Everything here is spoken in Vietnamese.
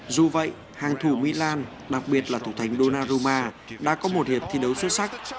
dù vậy hàng thủ milan đặc biệt là thủ thánh donnarumma đã có một hiệp thi đấu xuất sắc